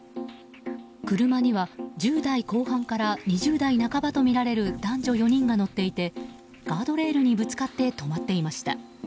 車には１０代後半から２０代半ばとみられる男女４人が乗っていてガードレールにぶつかって止まっていました。